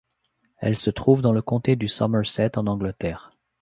Elle se trouve dans le comté du Somerset en Angleterre.